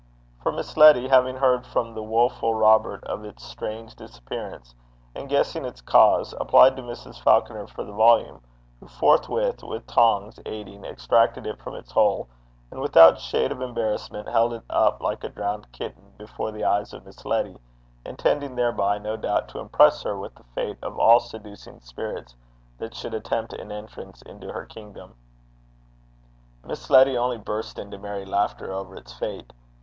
For Miss Letty, having heard from the woful Robert of its strange disappearance, and guessing its cause, applied to Mrs. Falconer for the volume; who forthwith, the tongs aiding, extracted it from its hole, and, without shade of embarrassment, held it up like a drowned kitten before the eyes of Miss Letty, intending thereby, no doubt, to impress her with the fate of all seducing spirits that should attempt an entrance into her kingdom: Miss Letty only burst into merry laughter over its fate.